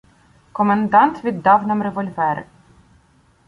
Комендант віддав нам револьвери.